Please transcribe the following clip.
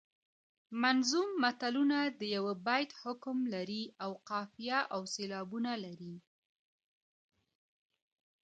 منظوم متلونه د یوه بیت حکم لري او قافیه او سیلابونه لري